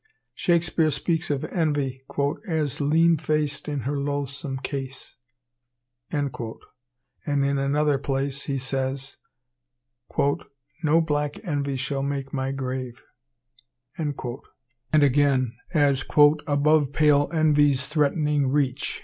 Shakespeare speaks of envy "as lean faced in her loathsome case;" and in another place he says, "no black envy shall make my grave;" and again as "above pale envy's threatening reach."